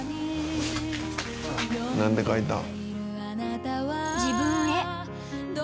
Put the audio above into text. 「なんて書いたん？」